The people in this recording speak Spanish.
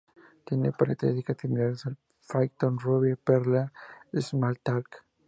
Tiene características similares a Python, Ruby, Perl y Smalltalk.